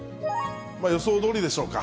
予想どおりでしょうか。